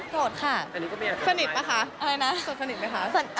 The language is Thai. โทษค่ะสนิทมั้ยคะอะไรนะโทษสนิทมั้ยคะโทษอ้าว